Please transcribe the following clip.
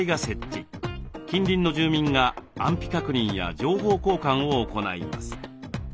近隣の住民が安否確認や情報交換を行います。